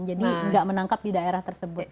jadi tidak menangkap di daerah tersebut